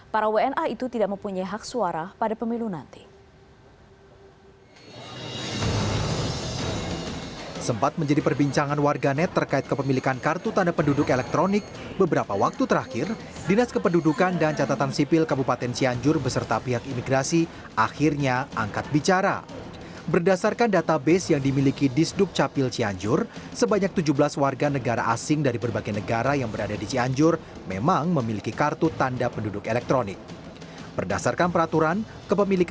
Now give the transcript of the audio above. para wna itu tidak mempunyai hak suara pada pemilu nanti